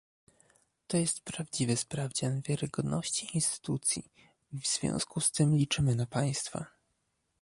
To jest prawdziwy sprawdzian wiarygodności instytucji i w związku z tym liczymy na państwa